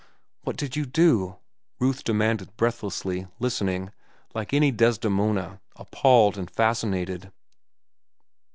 "What did you do?" Ruth demanded breathlessly, listening, like any Desdemona, appalled and fascinated.